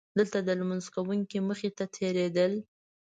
دلته د لمونځ کوونکي مخې ته تېرېدل.